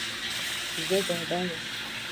زه ډاډه یم